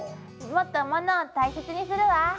もっと物を大切にするわ。